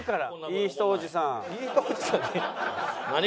いい人おじさんって。